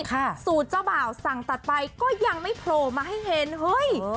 สูตรเจ้าบ่าวสั่งตัดไปก็ยังไม่โผล่มาให้เห็นเฮ้ย